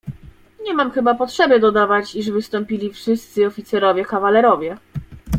"Nie mam chyba potrzeby dodawać, iż wystąpili wszyscy oficerowie kawalerowie."